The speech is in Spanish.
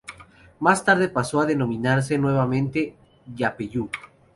Más tarde pasó a denominarse nuevamente Yapeyú.